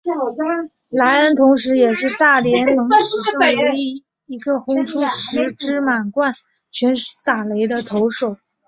莱恩同时也是大联盟史上唯一一个被轰出十支满贯全垒打的投手。